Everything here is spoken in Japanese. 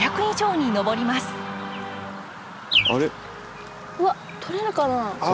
うわっとれるかな？